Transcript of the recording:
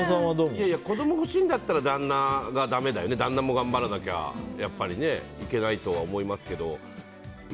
子供欲しいんだったら旦那も頑張らなきゃいけないとは思いますけど。